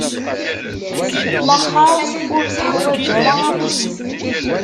Laxert ur teḥwaǧ ara aqezzeb.